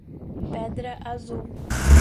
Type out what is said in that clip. Pedra Azul